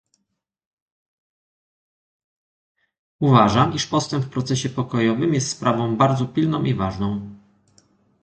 Uważam, iż postęp w procesie pokojowym jest sprawą bardzo pilną i ważną